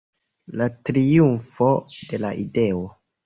La triumfo de la ideo!